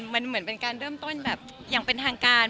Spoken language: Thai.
มันเหมือนเป็นการเริ่มต้นแบบอย่างเป็นทางการ